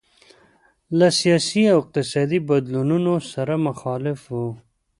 له سیاسي او اقتصادي بدلونونو سره مخالف وو.